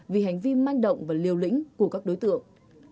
vì hành vi manh động và liều lĩnh của các đối tượng